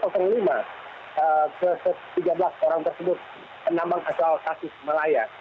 ke tiga belas orang tersebut penambang asal sakit melayu